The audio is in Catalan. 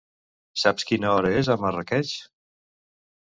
Saps quina hora és a Marràqueix?